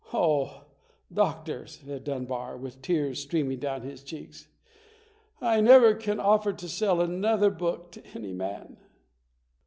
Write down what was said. "Oh, doctor", said Dunbar, with tears stream ing down his cheeks, "I never can offer to sell another book to any man".